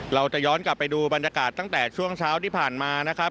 เราจะย้อนกลับไปดูบรรยากาศตั้งแต่ช่วงเช้าที่ผ่านมานะครับ